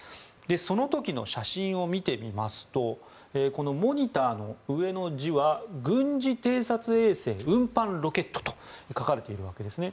その時の写真を見てみますとモニターの上の字は軍事偵察衛星運搬ロケットと書かれているわけですね。